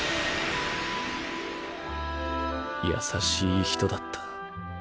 優しい人だった。